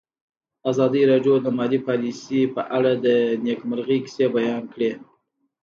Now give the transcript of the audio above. ازادي راډیو د مالي پالیسي په اړه د نېکمرغۍ کیسې بیان کړې.